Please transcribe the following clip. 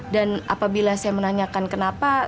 apabila saya menanyakan kenapa